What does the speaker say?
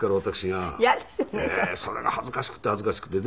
それが恥ずかしくて恥ずかしくて。